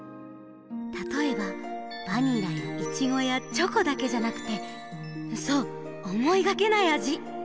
たとえばバニラやイチゴやチョコだけじゃなくてそうおもいがけないあじ！